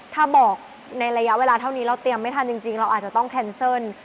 ถ้าบอกในระยะเวลาเท่านี้เราเตรียมไม่ทันจริงเราอาจจะต้องแคนเซิล